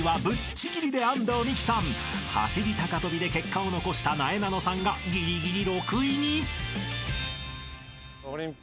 ［走り高跳びで結果を残したなえなのさんがぎりぎり６位に］